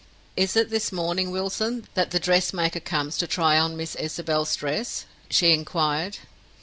"Is it this morning, Wilson, that the dressmaker comes to try on Miss Isabel's dress?" she inquired.